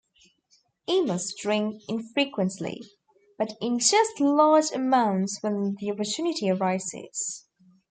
Emus drink infrequently, but ingest large amounts when the opportunity arises.